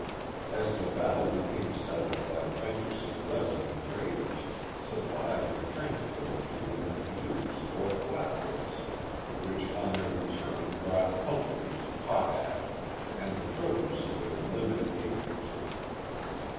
As the valley became settled by venturesome resident traders, supplies were transported to them in canoes or flat boats which on their return brought peltries, potash, and the produce of their limited acres.